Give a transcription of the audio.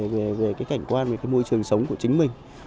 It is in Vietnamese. về cái cảnh quan về cái môi trường sống của chính mình